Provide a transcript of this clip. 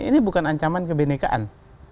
ini bukan ancaman kebenekaan